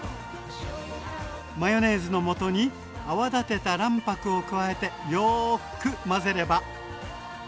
マヨネーズのもとに泡立てた卵白を加えてよく混ぜれば。